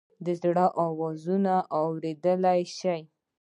د زړه آوازونه اوریدلئ شې؟